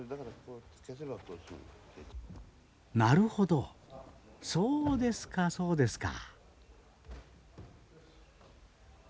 なるほどそうですかそうですか。